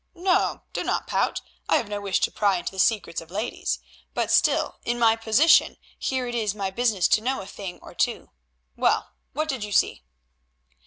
No, do not pout, I have no wish to pry into the secrets of ladies, but still in my position here it is my business to know a thing or two. Well, what did you see?"